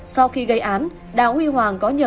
sau khi gây án đào huy hoàng có nhờ